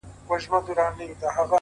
سیاه پوسي ده” ورته ولاړ یم”